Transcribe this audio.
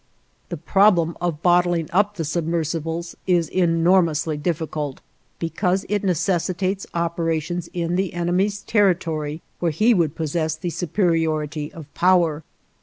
The problem of bottling up the submersibles is enormously difficult, because it necessitates operations in the enemy's territory, where he would possess the superiority of power.